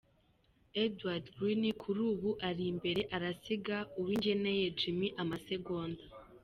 ': Edward Greene kuri ubu ari imbere arasiga Uwingeneye Jimmy amasegonda ".